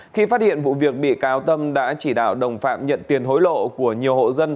khi phát hiện vụ việc bị cáo tâm đã chỉ đạo đồng phạm nhận tiền hối lộ của nhiều hộ dân